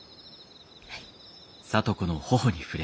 はい。